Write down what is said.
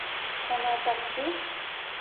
Шоналташ пу!